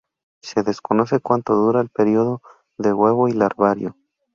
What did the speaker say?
Se desconoce cuánto dura el periodo de huevo y larvario.